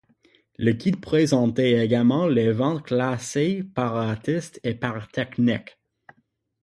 Le guide présentait également les ventes classées par artistes et par techniques.